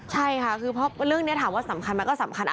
ใช่ค่ะคือเรื่องนี้ถามว่าสำคัญรึเปล่าก็สำคัญ